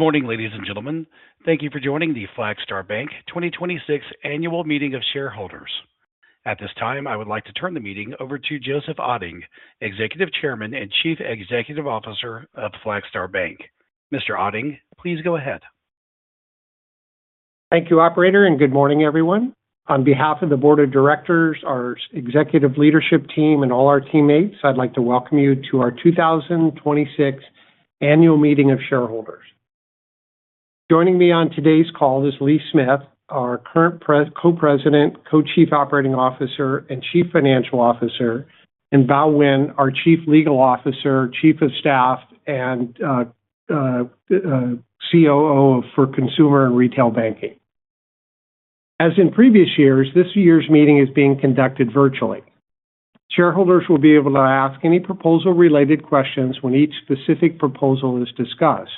Good morning, ladies and gentlemen. Thank you for joining the Flagstar Bank 2026 Annual Meeting of Shareholders. At this time, I would like to turn the meeting over to Joseph Otting, Executive Chairman and Chief Executive Officer of Flagstar Bank. Mr. Otting, please go ahead. Thank you, operator. Good morning, everyone. On behalf of the Board of Directors, our Executive Leadership Team, and all our teammates, I'd like to welcome you to our 2026 Annual Meeting of Shareholders. Joining me on today's call is Lee Smith, our current Co-President, Co-Chief Operating Officer, and Chief Financial Officer, and Bao Nguyen, our Chief Legal Officer, Chief of Staff, and COO for Consumer and Retail Banking. As in previous years, this year's meeting is being conducted virtually. Shareholders will be able to ask any proposal-related questions when each specific proposal is discussed.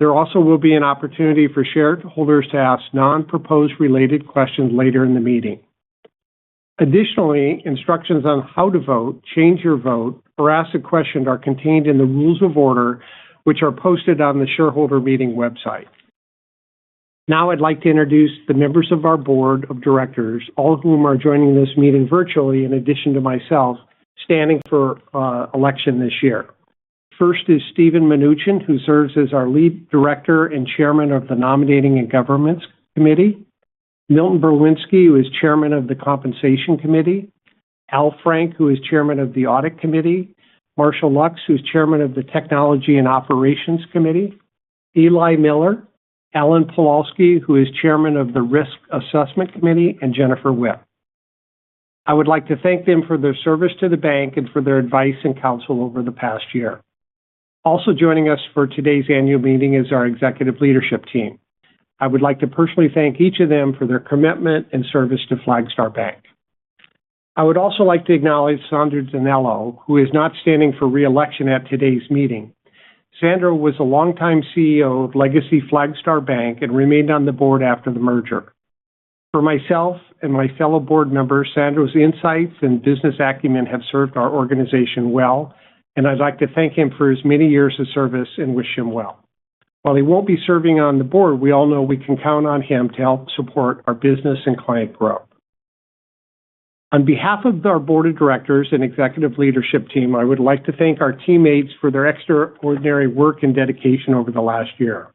There also will be an opportunity for shareholders to ask non-proposal-related questions later in the meeting. Additionally, instructions on how to vote, change your vote, or ask a question are contained in the rules of order, which are posted on the shareholder meeting website. I'd like to introduce the members of our Board of Directors, all of whom are joining this meeting virtually in addition to myself, standing for election this year. First is Steven Mnuchin, who serves as our Lead Director and Chairman of the Nominating and Governance Committee. Milton Berlinski, who is Chairman of the Compensation Committee. Al Frank, who is Chairman of the Audit Committee. Marshall Lux, who's Chairman of the Technology and Operations Committee. Eli Miller. Alan Pawiowski, who is Chairman of the Risk Assessment Committee. Jennifer Whip. I would like to thank them for their service to the bank and for their advice and counsel over the past year. Also joining us for today's annual meeting is our Executive Leadership Team. I would like to personally thank each of them for their commitment and service to Flagstar Bank. I would also like to acknowledge Sandro DiNello, who is not standing for re-election at today's meeting. Sandro was a longtime CEO of Legacy Flagstar Bank and remained on the Board after the merger. For myself and my fellow Board members, Sandro's insights and business acumen have served our organization well. I'd like to thank him for his many years of service and wish him well. While he won't be serving on the Board, we all know we can count on him to help support our business and client growth. On behalf of our Board of Directors and Executive Leadership Team, I would like to thank our teammates for their extraordinary work and dedication over the last year.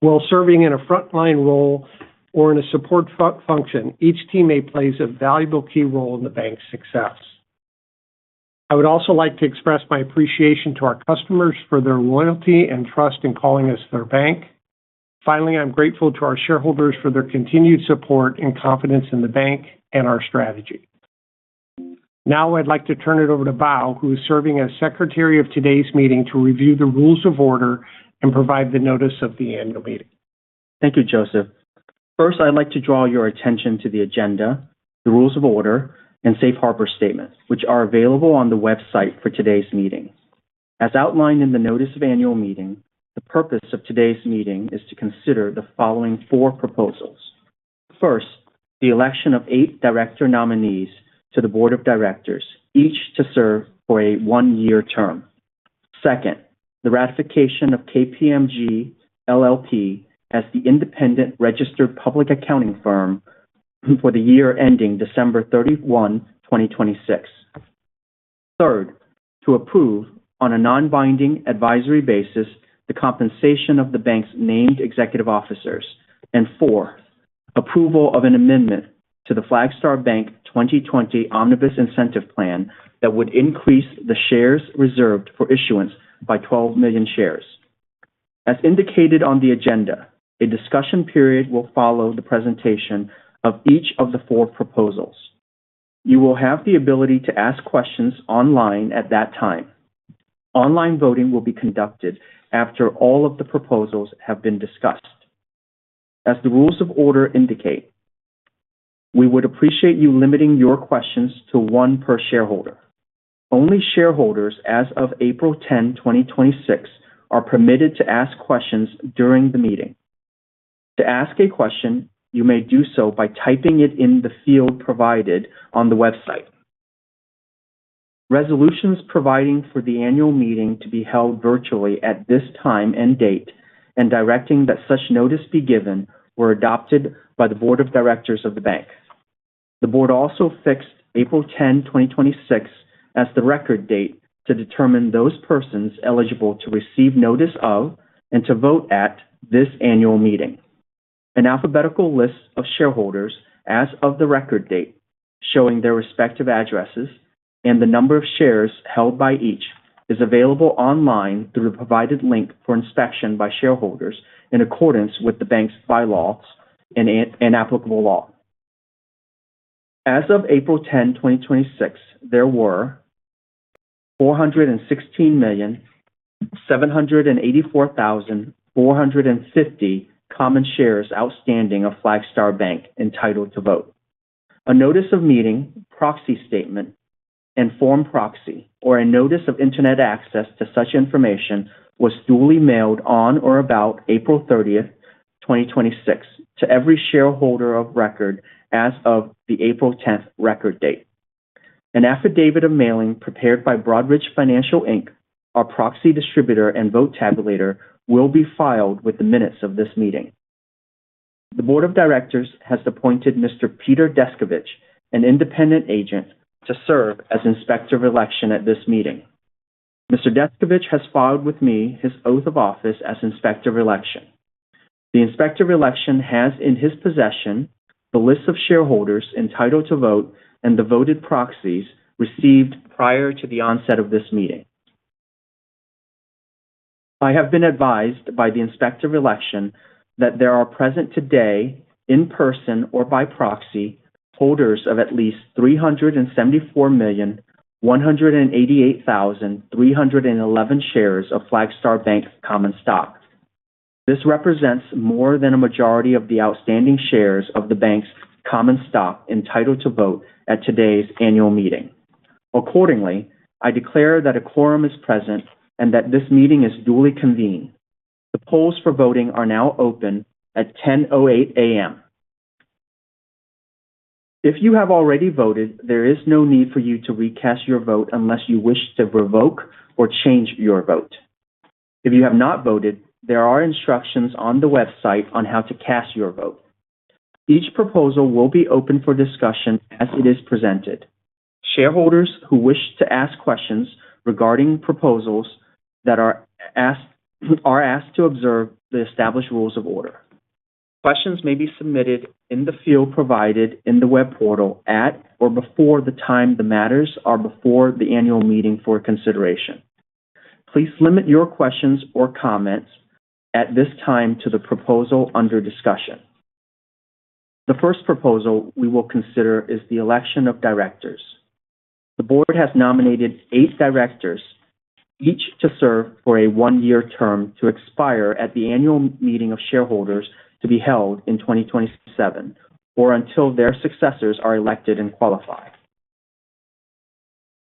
While serving in a frontline role or in a support function, each teammate plays a valuable key role in the bank's success. I would also like to express my appreciation to our customers for their loyalty and trust in calling us their bank. Finally, I'm grateful to our shareholders for their continued support and confidence in the bank and our strategy. Now I'd like to turn it over to Bao, who is serving as secretary of today's meeting, to review the rules of order and provide the notice of the annual meeting. Thank you, Joseph. First, I'd like to draw your attention to the agenda, the rules of order, and safe harbor statement, which are available on the website for today's meeting. As outlined in the notice of annual meeting, the purpose of today's meeting is to consider the following four proposals. First, the election of eight director nominees to the board of directors, each to serve for a one-year term. Second, the ratification of KPMG LLP as the independent registered public accounting firm for the year ending December 31, 2026. Third, to approve on a non-binding advisory basis the compensation of the bank's named executive officers. Four, approval of an amendment to the Flagstar Bank 2020 Omnibus Incentive Plan that would increase the shares reserved for issuance by 12 million shares. As indicated on the agenda, a discussion period will follow the presentation of each of the four proposals. You will have the ability to ask questions online at that time. Online voting will be conducted after all of the proposals have been discussed. As the rules of order indicate, we would appreciate you limiting your questions to one per shareholder. Only shareholders as of April 10, 2026, are permitted to ask questions during the meeting. To ask a question, you may do so by typing it in the field provided on the website. Resolutions providing for the annual meeting to be held virtually at this time and date, and directing that such notice be given, were adopted by the board of directors of the bank. The board also fixed April 10, 2026, as the record date to determine those persons eligible to receive notice of and to vote at this annual meeting. An alphabetical list of shareholders as of the record date, showing their respective addresses and the number of shares held by each, is available online through the provided link for inspection by shareholders in accordance with the bank's bylaws and applicable law. As of April 10, 2026, there were 416,784,450 common shares outstanding of Flagstar Bank entitled to vote. A notice of meeting, proxy statement, and form proxy or a notice of internet access to such information was duly mailed on or about April 30, 2026, to every shareholder of record as of the April 10 record date. An affidavit of mailing prepared by Broadridge Financial Inc., our proxy distributor and vote tabulator, will be filed with the minutes of this meeting. The board of directors has appointed Mr. Peter Deskovich, an independent agent, to serve as Inspector of Election at this meeting. Mr. Deskovich has filed with me his oath of office as Inspector of Election. The Inspector of Election has in his possession the list of shareholders entitled to vote and the voted proxies received prior to the onset of this meeting. I have been advised by the Inspector of Election that there are present today, in person or by proxy, holders of at least 374,188,311 shares of Flagstar Bank common stock. This represents more than a majority of the outstanding shares of the bank's common stock entitled to vote at today's annual meeting. Accordingly, I declare that a quorum is present and that this meeting is duly convened. The polls for voting are now open at 10:08 A.M. If you have already voted, there is no need for you to recast your vote unless you wish to revoke or change your vote. If you have not voted, there are instructions on the website on how to cast your vote. Each proposal will be open for discussion as it is presented. Shareholders who wish to ask questions regarding proposals are asked to observe the established rules of order. Questions may be submitted in the field provided in the web portal at or before the time the matters are before the annual meeting for consideration. Please limit your questions or comments at this time to the proposal under discussion. The first proposal we will consider is the election of directors. The board has nominated eight directors, each to serve for a one-year term to expire at the annual meeting of shareholders to be held in 2027, or until their successors are elected and qualified.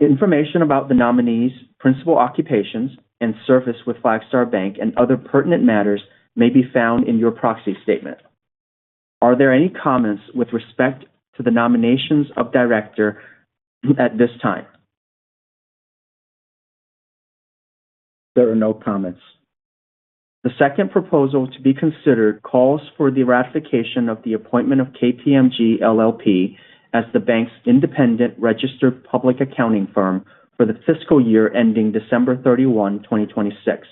Information about the nominees' principal occupations and service with Flagstar Bank and other pertinent matters may be found in your proxy statement. Are there any comments with respect to the nominations of director at this time? There are no comments. The second proposal to be considered calls for the ratification of the appointment of KPMG LLP as the bank's independent registered public accounting firm for the fiscal year ending December 31, 2026.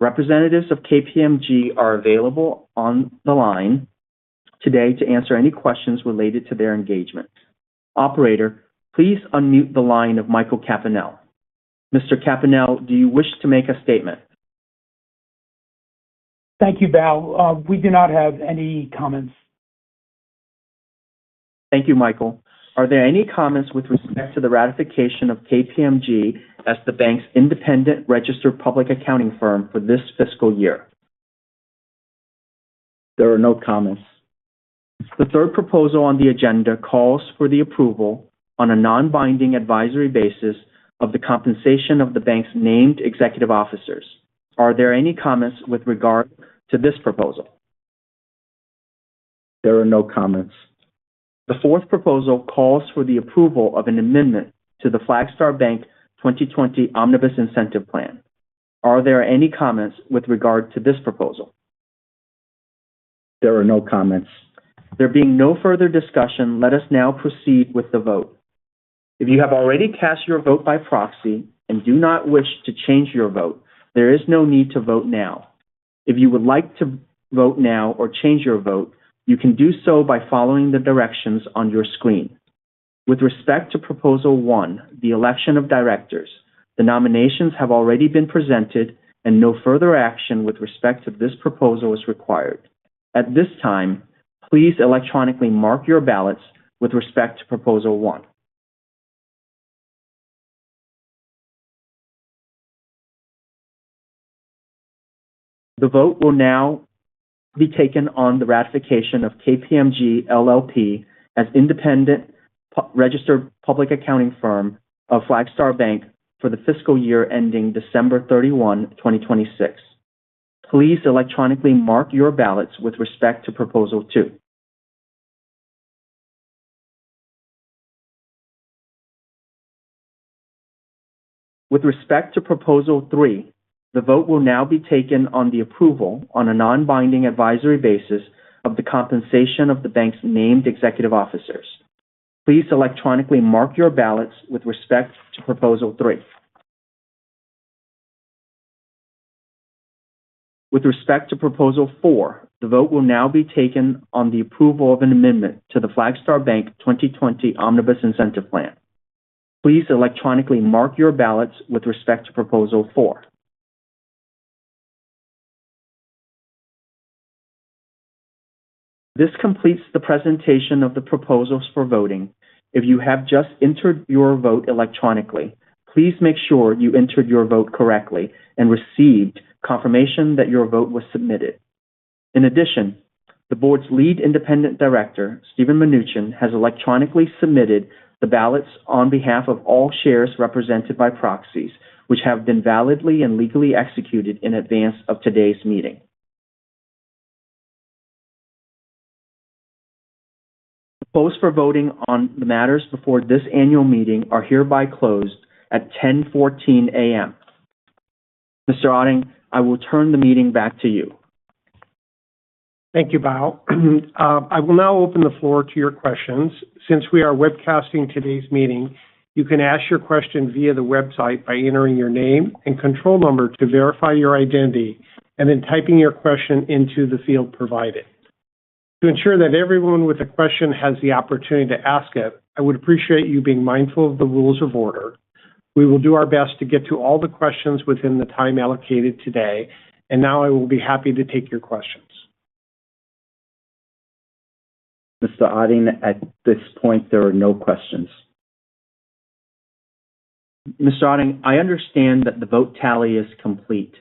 Representatives of KPMG are available on the line today to answer any questions related to their engagement. Operator, please unmute the line of Joseph Campanelli. Mr. Campanelli, do you wish to make a statement? Thank you, Bao. We do not have any comments. Thank you, Michael. Are there any comments with respect to the ratification of KPMG as the bank's independent registered public accounting firm for this fiscal year? There are no comments. The third proposal on the agenda calls for the approval on a non-binding advisory basis of the compensation of the bank's named executive officers. Are there any comments with regard to this proposal? There are no comments. The fourth proposal calls for the approval of an amendment to the Flagstar Bank, N.A. 2020 Omnibus Incentive Plan. Are there any comments with regard to this proposal? There are no comments. There being no further discussion, let us now proceed with the vote. If you have already cast your vote by proxy and do not wish to change your vote, there is no need to vote now. If you would like to vote now or change your vote, you can do so by following the directions on your screen. With respect to proposal one, the election of directors, the nominations have already been presented and no further action with respect to this proposal is required. At this time, please electronically mark your ballots with respect to proposal one. The vote will now be taken on the ratification of KPMG LLP as independent registered public accounting firm of Flagstar Bank for the fiscal year ending December 31, 2026. Please electronically mark your ballots with respect to proposal two. With respect to proposal three, the vote will now be taken on the approval on a non-binding advisory basis of the compensation of the bank's named executive officers. Please electronically mark your ballots with respect to proposal three. With respect to proposal four, the vote will now be taken on the approval of an amendment to the Flagstar Bank, N.A. 2020 Omnibus Incentive Plan. Please electronically mark your ballots with respect to proposal four. This completes the presentation of the proposals for voting. If you have just entered your vote electronically, please make sure you entered your vote correctly and received confirmation that your vote was submitted. In addition, the board's Lead Independent Director, Steven Mnuchin, has electronically submitted the ballots on behalf of all shares represented by proxies, which have been validly and legally executed in advance of today's meeting. The polls for voting on the matters before this annual meeting are hereby closed at 10:14 A.M. Mr. Otting, I will turn the meeting back to you. Thank you, Bao. I will now open the floor to your questions. Since we are webcasting today's meeting, you can ask your question via the website by entering your name and control number to verify your identity, and then typing your question into the field provided. To ensure that everyone with a question has the opportunity to ask it, I would appreciate you being mindful of the rules of order. We will do our best to get to all the questions within the time allocated today. Now I will be happy to take your questions. Mr. Otting, at this point, there are no questions. Mr. Otting, I understand that the vote tally is complete.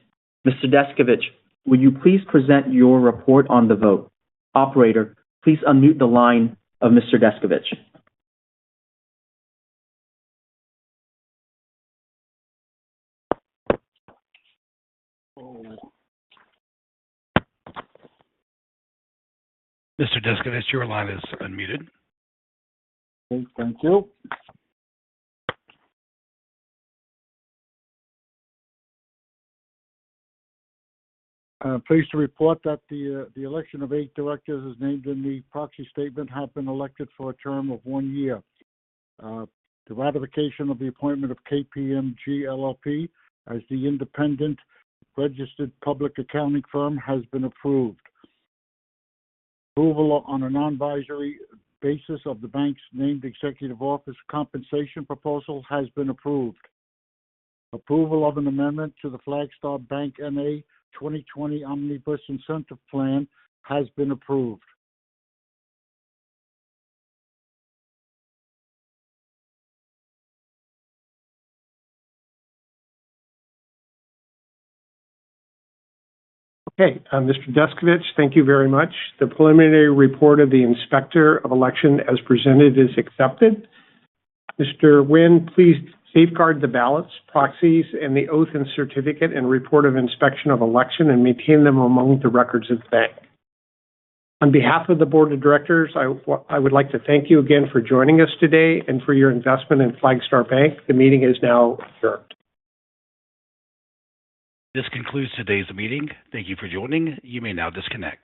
Mr. Deskovich, would you please present your report on the vote? Operator, please unmute the line of Mr. Deskovich. Mr. Deskovich, your line is unmuted. Okay, thank you. I'm pleased to report that the election of eight directors, as named in the proxy statement, have been elected for a term of one year. The ratification of the appointment of KPMG LLP as the independent registered public accounting firm has been approved. Approval on a non-advisory basis of the bank's named Executive Officer compensation proposal has been approved. Approval of an amendment to the Flagstar Bank, N.A. 2020 Omnibus Incentive Plan has been approved. Okay. Mr. Deskovich, thank you very much. The preliminary report of the Inspector of Election as presented is accepted. Mr. Nguyen, please safeguard the ballots, proxies, and the oath and certificate and report of inspection of election, and maintain them among the records of the bank. On behalf of the board of directors, I would like to thank you again for joining us today and for your investment in Flagstar Bank. The meeting is now adjourned. This concludes today's meeting. Thank you for joining. You may now disconnect.